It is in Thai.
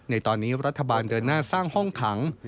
ในตอนนี้รัฐบาลเดินหน้าสร้างห้องขัง